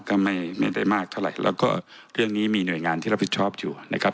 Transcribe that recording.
ก็ไม่ได้มากเท่าไหร่แล้วก็เรื่องนี้มีหน่วยงานที่รับผิดชอบอยู่นะครับ